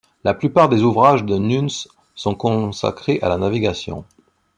La plupart des ouvrages de Nunes sont consacrés à la navigation.